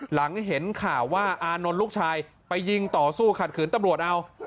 หลังเห็นข่าวว่าอานนท์ลูกชายไปยิงต่อสู้ขัดขืนตำรวจเอา